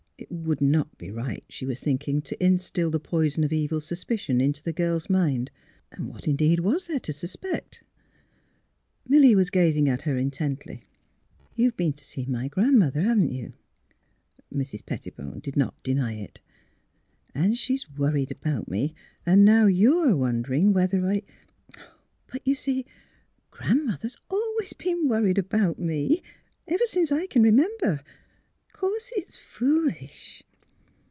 It would not be right, she was thinking, to instill the poison of evil suspicion into the girl's mind. And what, indeed, was there to suspect? Milly was gazing at her intently. 146 THE HEART OF PHILURA " You've been to see my Gran 'mother; haven't you? " Mrs. Pettibone did not deny it. " And she is worried about me; and now you are wondering whether I But you see, Gran 'mother has always been worried about me — ever since I can remember. Of course it's foolish."